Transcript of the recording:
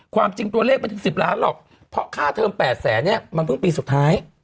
ความจริงตัวเลขไม่ถึง๑๐ล้านหรอกเพราะค่าเทอม๘แสนเนี่ยมันเพิ่งปีสุดท้าย